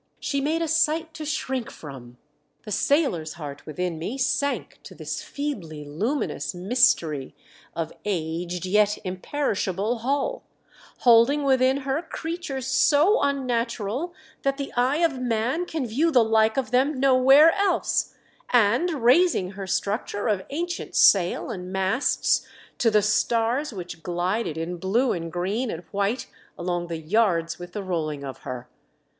She 212 THE DEATH vSHIP. made a sight to shrink from ! The sailor's heart within me sank to this feebly luminous mystery of aged yet imperishable hull, hold ins: within her creatures so unnatural that the eye of man can view the like of them no where else, and raising her structure of ancient sail and masts to the stars which glided in blue and green and white along the yards with the rolling of her.